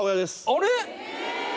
あれ？